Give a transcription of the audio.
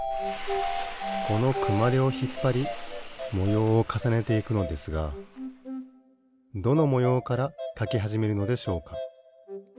このくまでをひっぱりもようをかさねていくのですがどのもようからかきはじめるのでしょうか？